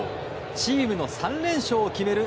チームの３連勝を決める